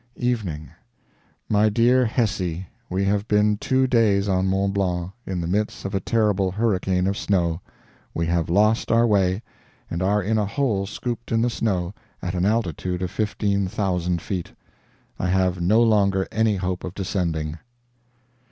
EVENING. My Dear Hessie, we have been two days on Mont Blanc, in the midst of a terrible hurricane of snow, we have lost our way, and are in a hole scooped in the snow, at an altitude of 15,000 feet. I have no longer any hope of descending.